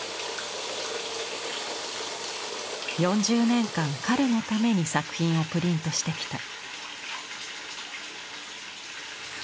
４０年間彼のために作品をプリントしてきた。